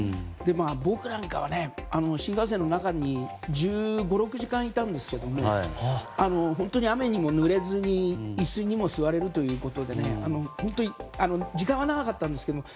僕なんかはね、新幹線の中に１５１６時間いたんですけれども雨にもぬれずに椅子にも座れるということで時間は長かったんですけども。